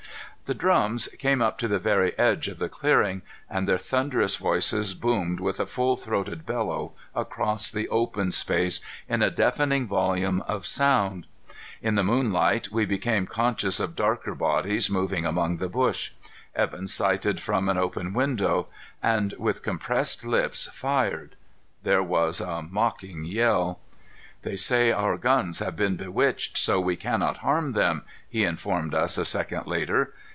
The drums came up to the very edge of the clearing, and their thunderous voices boomed with a full throated bellow across the open space in a deafening volume of sound. In the moonlight, we became conscious of darker bodies moving among the bush. Evan sighted from an open window and with compressed lips fired. There was a mocking yell. "They say our guns have been bewitched so we cannot harm them," he informed us a second later.